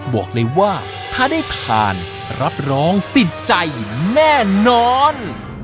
บอกเลยว่าถ้าได้ทานรับรองติดใจแน่นอน